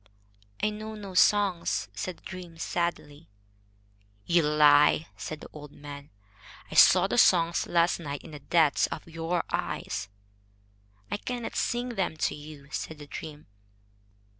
"I know no songs," said the dream, sadly. "You lie," said the old man. "I saw the songs last night in the depths of your eyes." "I cannot sing them to you," said the dream.